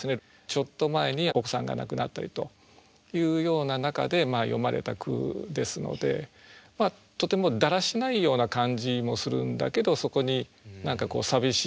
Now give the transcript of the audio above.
ちょっと前にお子さんが亡くなったりというような中で詠まれた句ですのでとてもだらしないような感じもするんだけどそこに何か寂しい感じもね